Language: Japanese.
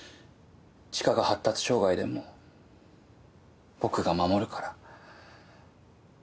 知花が発達障害でも僕が守るから。